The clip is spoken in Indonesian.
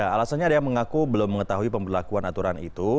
alasannya ada yang mengaku belum mengetahui pemberlakuan aturan itu